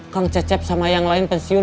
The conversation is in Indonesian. kang cecep sama yang lain pensiun